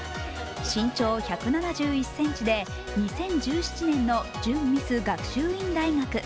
身長１７１ｃｍで２０１７年の準ミス学習院大学。